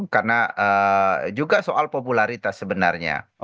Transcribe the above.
karena juga soal popularitas sebenarnya